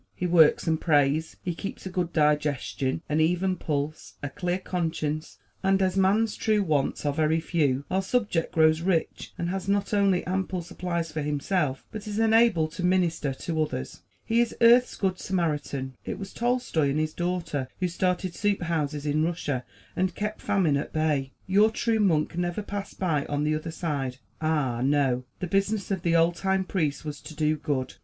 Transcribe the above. He works and prays. He keeps a good digestion, an even pulse, a clear conscience; and as man's true wants are very few, our subject grows rich and has not only ample supplies for himself, but is enabled to minister to others. He is earth's good Samaritan. It was Tolstoy and his daughter who started soup houses in Russia and kept famine at bay. Your true monk never passed by on the other side; ah, no! the business of the old time priest was to do good.